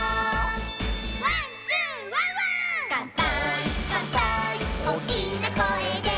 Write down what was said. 「１、２、ワンワン」「かんぱーいかんぱーいおおきなこえで」